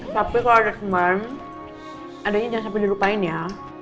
tapi kalau ada teman adanya jangan sampai dirupain ya